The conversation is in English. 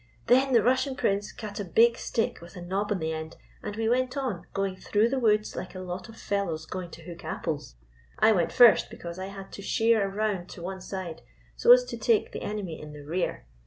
" Then the Russian Prince cut a big stick with a knob on the end, and we went on, going through the woods like a lot of fellows going to hook apples. I went first, because I had to sheer round to one side, so as to take the enemy in the rear.